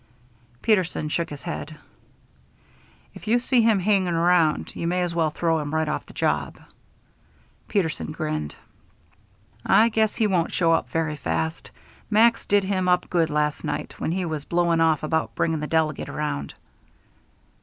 Peterson shook his head. "If you see him hanging around, you may as well throw him right off the job." Peterson grinned. "I guess he won't show up very fast. Max did him up good last night, when he was blowing off about bringing the delegate around."